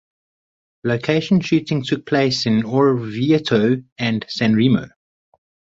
Location shooting took place in Orvieto and San Remo.